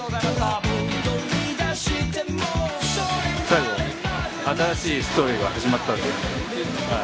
最後新しいストーリーが始まったんで。